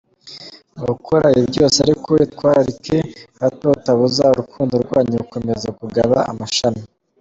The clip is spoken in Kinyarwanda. Mu gukora ibi byose ariko itwararike hato utabuza urukundo rwanyu gukomeza kugaba amashami.